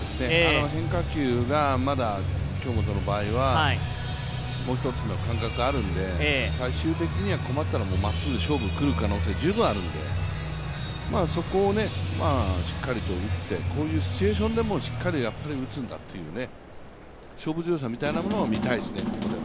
変化球がまだ京本の場合はもうひとつの感覚があるので、最終的には困ったらまっすぐ、勝負にくる可能性、十分あるのでそこはしっかりと打ってこういうシチュエーションでもしっかり打つんだという勝負強さみたいなものは見たいですね。